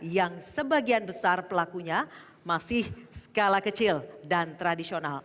yang sebagian besar pelakunya masih skala kecil dan tradisional